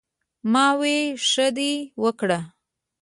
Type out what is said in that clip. " ـ ما وې " ښۀ دې وکړۀ " ـ